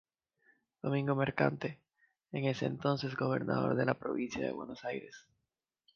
Domingo Mercante, en ese entonces Gobernador de la Provincia de Buenos Aires.